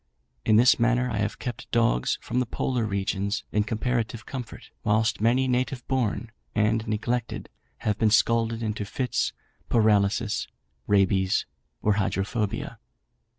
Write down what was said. In this manner I have kept dogs from the polar regions, in comparative comfort, whilst many native born and neglected have been scalded into fits, paralysis, rabies, or hydrophobia.